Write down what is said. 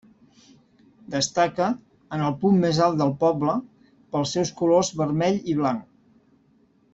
Destaca, en el punt més alt del poble, pels seus colors vermell i blanc.